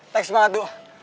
thanks banget du